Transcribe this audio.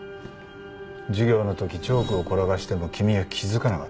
授業のときチョークを転がしても君は気付かなかった。